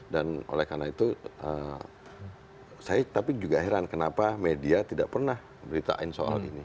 dan oleh karena itu saya tapi juga heran kenapa media tidak pernah memberitakan soal ini